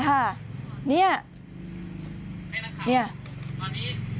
ให้นักข่าวตอนนี้มีการจี้ทั้งหมดนั้น